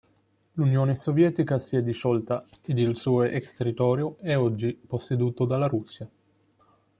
L'Unione Sovietica si è disciolta ed il suo ex-territorio è oggi posseduto dalla Russia.